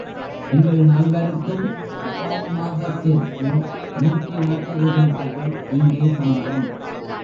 எங்கள் நால்வருக்கும் அப்பாவுமாகச் சேர்த்து நூற்றி நாற்பது ரூபாய்கள் இங்கே சம்பளம்.